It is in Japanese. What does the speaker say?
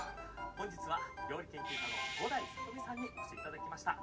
本日は料理研究家の伍代里美さんにお越しいただきました。